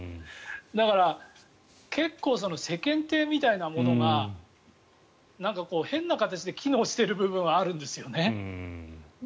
だから、結構世間体みたいなものが変な形で機能している部分はあるんですよね。